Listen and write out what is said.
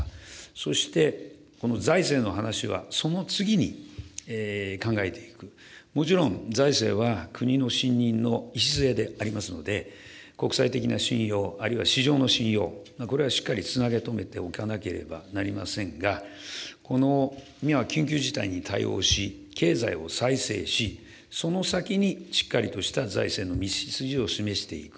そして、この財政の話はその次に考えていく、もちろん財政は国の信任の礎でありますので、国際的な信用、あるいは市場の信用、これはしっかりつなぎとめておかなければなりませんが、この、今緊急事態に対応し、経済を再生し、その先に、しっかりとした財政の道筋を示していく。